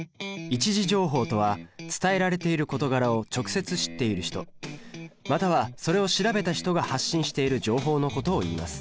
一次情報とは伝えられている事柄を直接知っている人またはそれを調べた人が発信している情報のことをいいます。